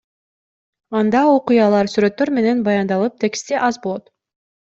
Анда окуялар сүрөттөр менен баяндалып, тексти аз болот.